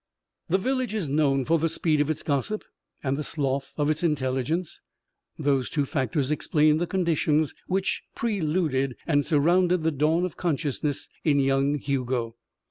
The village is known for the speed of its gossip and the sloth of its intelligence. Those two factors explain the conditions which preluded and surrounded the dawn of consciousness in young Hugo.